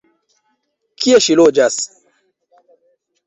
Kie ŝi loĝas?